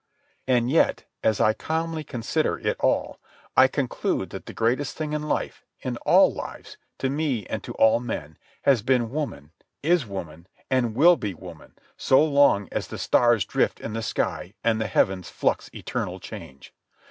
And yet, as I calmly consider it all, I conclude that the greatest thing in life, in all lives, to me and to all men, has been woman, is woman, and will be woman so long as the stars drift in the sky and the heavens flux eternal change.